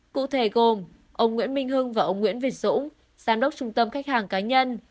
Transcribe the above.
cụ thể gồm ông nguyễn minh hưng và ông nguyễn việt dũng giám đốc trung tâm khách hàng cá nhân